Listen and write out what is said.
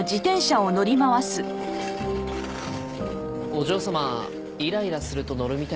お嬢様イライラすると乗るみたいです。